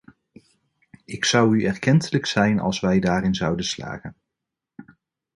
Ik zou u erkentelijk zijn als wij daarin zouden slagen.